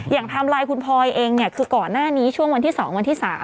อย่างทำลายคุณพอยเองคือก่อนหน้านี้ช่วงวันที่๒วันที่๓